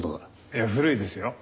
いや古いですよ。